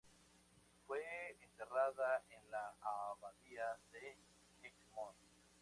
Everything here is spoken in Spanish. Fue enterrada en la Abadía de Egmond.